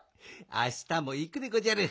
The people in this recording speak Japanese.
あしたもいくでごじゃる。